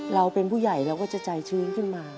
เราเป็นผู้ใหญ่เราก็จะใจชื้นขึ้นมา